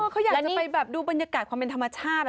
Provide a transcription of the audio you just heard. เขาอยากจะไปแบบดูบรรยากาศความเป็นธรรมชาติ